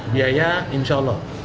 biaya insya allah